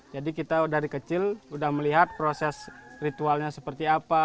jadi kita dari kecil sudah melihat proses ritualnya seperti apa